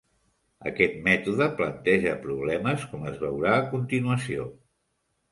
Aquest mètode planteja problemes, com es veurà a continuació.